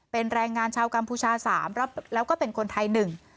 เป็นแรงงานชาวกัมพูชาสามแล้วก็เป็นคนไทยหนึ่ง